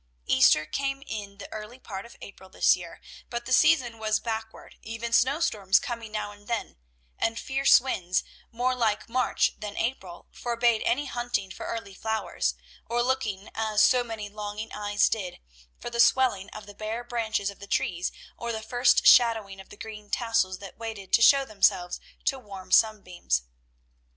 Easter came in the early part of April this year, but the season was backward, even snowstorms coming now and then; and fierce winds, more like March than April, forbade any hunting for early flowers, or looking, as so many longing eyes did, for the swelling of the bare branches of the trees, or the first shadowing of the green tassels that waited to show themselves to warm sunbeams.